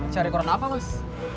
cari koron apa mas